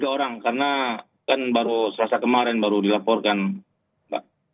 tiga orang karena kan baru selasa kemarin baru dilaporkan mbak